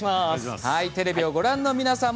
テレビをご覧の皆さん